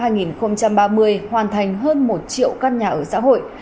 hoàn thành hơn một triệu căn nhà ở xã hội